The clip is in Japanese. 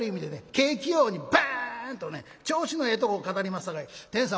景気ようにバーンとね調子のええとこ語りますさかい天さん